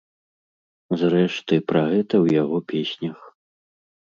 Зрэшты, пра гэта ў яго песнях.